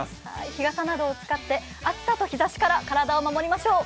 日傘などを使って、暑さと日ざしから、体を守りましょう。